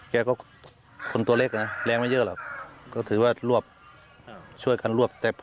แกก็คนตัวเล็กนะแรงไม่เยอะหรอกเพราะถือว่าช่วยกันช่วยกันลวบ